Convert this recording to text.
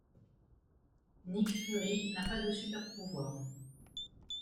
Nick Fury n'a pas de super-pouvoirs.